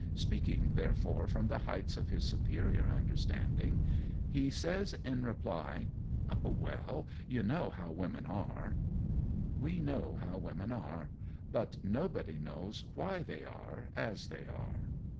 Speaking, therefore, from the heights of his superior understanding, he says in reply: "Oh, well, you know how women are!" We know how women are. But nobody knows why they are as they are.